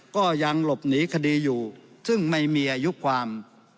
ก็ยังหลบหนีคดีอยู่ซึ่งไม่มีอายุความ